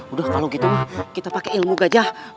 udah kalau gitu kita pakai ilmu gajah